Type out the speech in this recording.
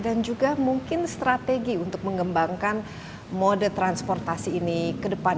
dan juga mungkin strategi untuk mengembangkan mode transportasi ini ke depan